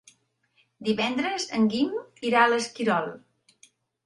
Divendres en Guim irà a l'Esquirol.